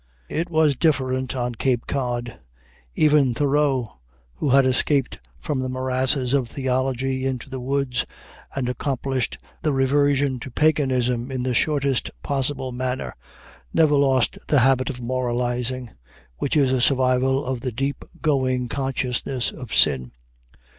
It was different on Cape Cod. Even Thoreau, who had escaped from the morasses of theology into the woods and accomplished the reversion to paganism in the shortest possible manner, never lost the habit of moralizing, which is a survival of the deep going consciousness of sin.